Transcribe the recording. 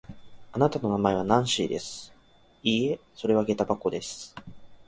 あなたの名前はナンシーです。いいえ、それはげた箱です。